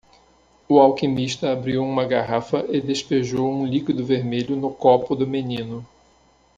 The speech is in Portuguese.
O alquimista abriu uma garrafa e despejou um líquido vermelho no copo do menino.